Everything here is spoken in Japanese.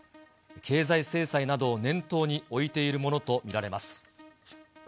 経済制裁などを念頭に置いているものと見られます。